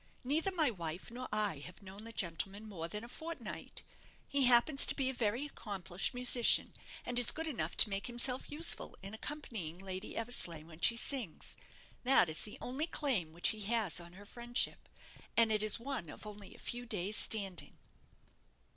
Neither my wife nor I have known the gentleman more than a fortnight. He happens to be a very accomplished musician, and is good enough to make himself useful in accompanying Lady Eversleigh when she sings. That is the only claim which he has on her friendship; and it is one of only a few days' standing."